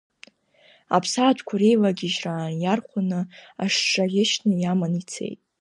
Аԥсаатәқәа реилагьежьраан иархәаны, ашша ӷьычны иаман ицеит.